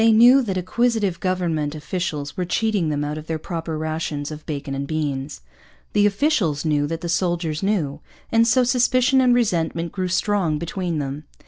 They knew that acquisitive government officials were cheating them out of their proper rations of bacon and beans. The officials knew that the soldiers knew. And so suspicion and resentment grew strong between them.